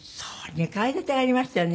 ２階建てがありましたよね。